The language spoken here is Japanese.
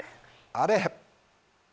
あれ！